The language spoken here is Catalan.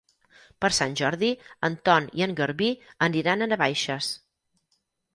Per Sant Jordi en Ton i en Garbí aniran a Navaixes.